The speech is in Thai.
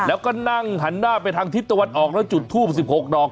แล้วก็นั่งหันหน้าไปทางทิศตะวันออกแล้วจุดทูบ๑๖ดอก